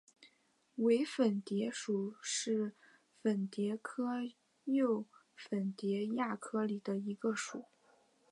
伪粉蝶属是粉蝶科袖粉蝶亚科里的一个属。